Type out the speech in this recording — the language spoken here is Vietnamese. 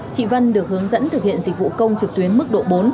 chị vân được hướng dẫn thực hiện dịch vụ công trực tuyến mức độ bốn